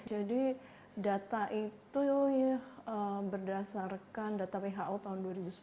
jadi data itu berdasarkan data who tahun dua ribu dua belas